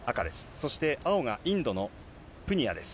そして青が、インドのプニアです。